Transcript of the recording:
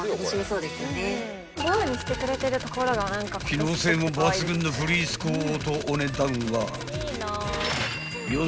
［機能性も抜群なフリースコートお値段は］